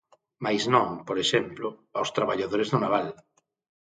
Mais non, por exemplo, aos traballadores do naval.